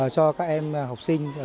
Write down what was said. cho các em học sinh